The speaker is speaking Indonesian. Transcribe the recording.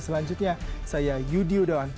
selanjutnya saya yudhi udawan